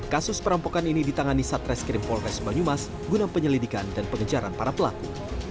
kasus perampokan ini ditangani satreskrim polres banyumas guna penyelidikan dan pengejaran para pelaku